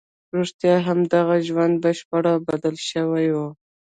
رښتيا هم د هغه ژوند بشپړ بدل شوی و.